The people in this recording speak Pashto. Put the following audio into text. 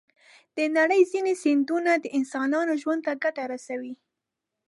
د نړۍ ځینې سیندونه د انسانانو ژوند ته ګټه رسوي.